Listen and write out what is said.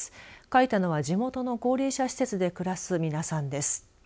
書いたのは地元の高齢者施設で暮らす皆さんです。